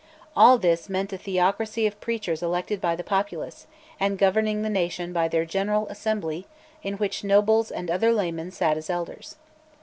All this meant a theocracy of preachers elected by the populace, and governing the nation by their General Assembly in which nobles and other laymen sat as elders.